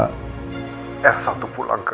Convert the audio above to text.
aku minta elsa untuk pulangku